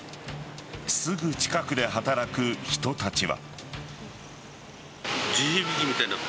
すぐ近くで働く人たちは。